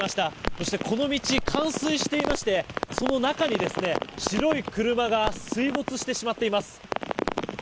そして、この道冠水していましてその中に、白い車が水没してしまっています。